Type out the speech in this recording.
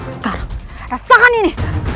sekarang rasakan ini